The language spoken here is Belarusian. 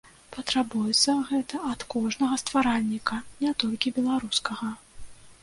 Патрабуецца гэта ад кожнага стваральніка, не толькі беларускага.